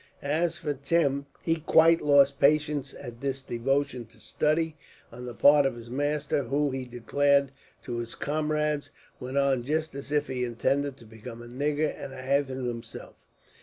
As for Tim, he quite lost patience at this devotion to study on the part of his master; who, he declared to his comrades, went on just as if he intended to become a nigger and a hathen himself.